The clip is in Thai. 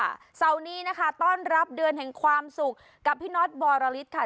เสาร์นี้นะคะต้อนรับเดือนแห่งความสุขกับพี่น็อตบอรลิศค่ะ